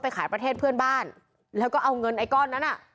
ขายประเทศเพื่อนบ้านแล้วก็เอาเงินไอ้ก้อนนั้นอ่ะ